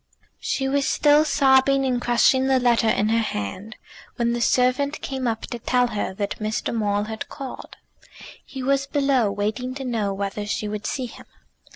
She was still sobbing and crushing the letter in her hand when the servant came up to tell her that Mr. Maule had called. He was below, waiting to know whether she would see him.